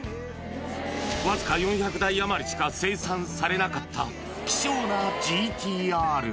僅か４００台余りしか生産されなかった希少なＧＴーＲ。